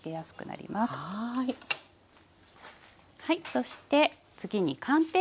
そして次に寒天を。